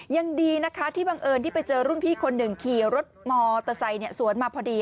ยังดีนะคะที่บังเอิญที่ไปเจอรุ่นพี่คนหนึ่งขี่รถมอเตอร์ไซค์สวนมาพอดี